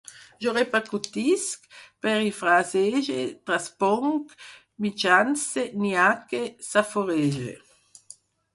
Jo repercutisc, perifrasege, trasponc, mitjance, nyaque, saforege